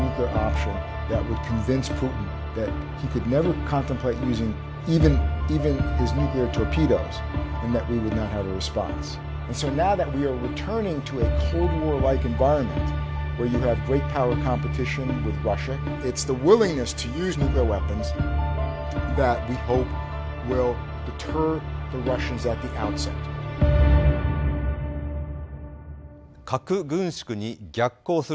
核軍縮に逆行する時代。